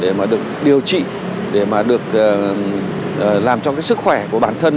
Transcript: để được điều trị để được làm cho sức khỏe của bản thân